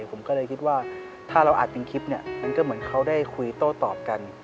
ผมก็เลยคิดว่าถ้าเราอัดเป็นคลิปเนี่ยมันก็เหมือนเขาได้คุยโต้ตอบกัน